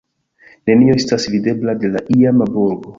Nenio estas videbla de la iama burgo.